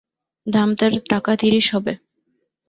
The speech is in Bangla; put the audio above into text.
দাম তার টাকা ত্রিশ হবে।